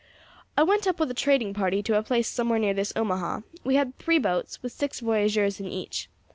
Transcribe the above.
"I went up with a trading party to a place somewhere near this Omaha; we had three boats, with six voyageurs in each.